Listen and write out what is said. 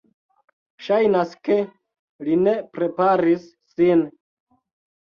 Ŝajnas, ke li ne preparis sin